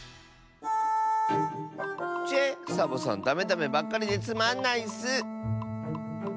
ちぇっサボさんダメダメばっかりでつまんないッス。